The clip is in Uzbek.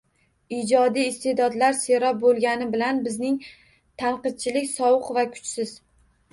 Ijodiy iste’dodlar serob bo‘lgani bilan bizning tanqidchilik sovuq va kuchsiz